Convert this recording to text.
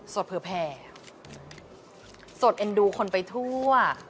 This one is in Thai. โสดเพลิงแพร่โสดเอ็นดูคนไปทั่ว